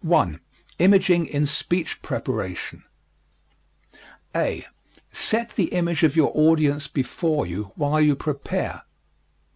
1. Imaging in Speech Preparation (a) _Set the image of your audience before you while you prepare.